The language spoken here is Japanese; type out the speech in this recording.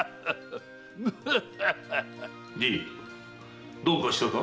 じいどうかしたか？